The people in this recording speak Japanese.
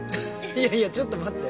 いやいやちょっと待って。